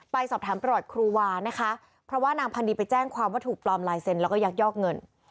ไปสอบถามประวัติครูวานะคะเพราะว่านางพันดีไปแจ้งความว่าถูกปลอมลายเซ็นแล้วก็ยักยอกเงิน